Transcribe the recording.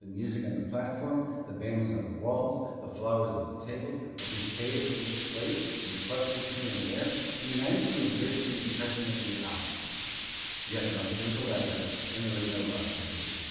The music on the platform, the banners on the walls, the flowers on the table — a bouquet at each plate, and clusters here and there — united to enrich the impression of the hour. Yet nothing was elaborate, and there was no ostentation.